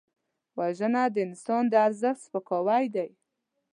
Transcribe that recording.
وژنه د انسان د ارزښت سپکاوی دی